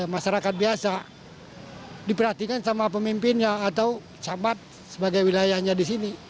masyarakat biasa diperhatikan sama pemimpinnya atau camat sebagai wilayahnya di sini